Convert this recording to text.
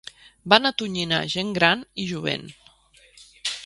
Van atonyinar gent gran i jovent.